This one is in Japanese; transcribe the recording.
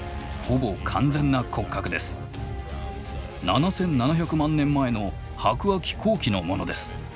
７，７００万年前の白亜紀後期のものです。